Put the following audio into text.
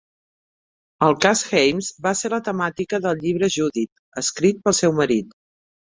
El cas Haimes va ser la temàtica del llibre "Judith", escrit pel seu marit.